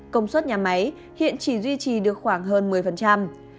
công suất nhà máy hiện chỉ duy trì được khoảng hơn một mươi các đơn hàng xuất khẩu hiện đã phải dừng